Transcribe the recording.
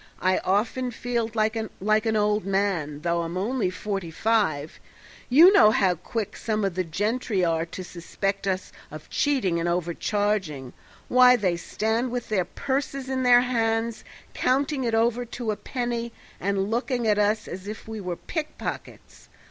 I often feel like an old man, though I'm only forty five. You know how quick some of the gentry are to suspect us of cheating and overcharging; why, they stand with their purses in their hands counting it over to a penny and looking at us as if we were pickpockets.